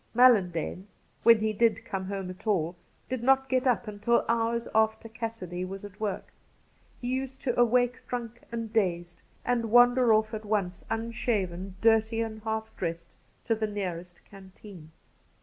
Mallan dane, when he did come home at all, did not get up until hours after Cassidy was at work. He used to awake drunk and dazed, and wander off at once, unshaven, dirty and half dressed, to the nearest canteen.